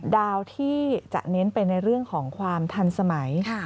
ดาวที่จะเน้นไปในเรื่องของความทันสมัย